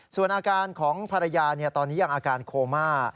ส่วนอาการของภรรยาตอนนี้ยังอาการโคม่า